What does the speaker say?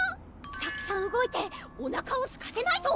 たくさん動いておなかをすかせないと！